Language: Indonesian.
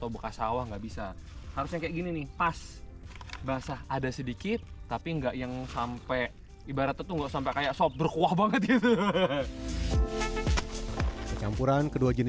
membuat cobek yang sempurna